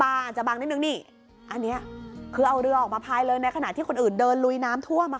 อาจจะบังนิดนึงนี่อันนี้คือเอาเรือออกมาภายเลยในขณะที่คนอื่นเดินลุยน้ำท่วมอ่ะ